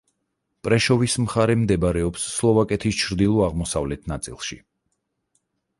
პრეშოვის მხარე მდებარეობს სლოვაკეთის ჩრდილო-აღმოსავლეთ ნაწილში.